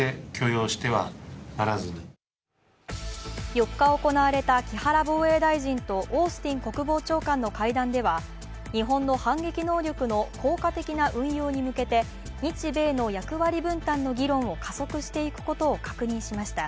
４日行われた木原防衛大臣とオースティン国防長官の会談では日本の反撃能力の効果的な運用に向けて日米の役割分担の議論を加速していくことを確認しました。